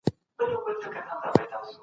د مځکي چاپیریال باید پاک وساتل سي.